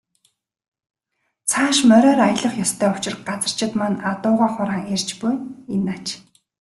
Цааш мориор аялах ёстой учир газарчид маань адуугаа хураан ирж буй нь энэ аж.